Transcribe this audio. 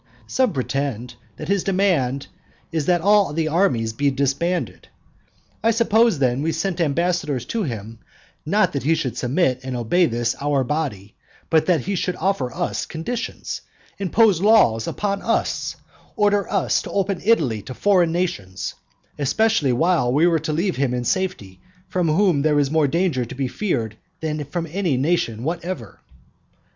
Some pretend that his demand is that all the armies be disbanded. I suppose then we sent ambassadors to him, not that he should submit and obey this our body, but that he should offer us conditions, impose laws upon us, order us to open Italy to foreign nations, especially while we were to leave him in safety from whom there is more danger to be feared than from any nation whatever.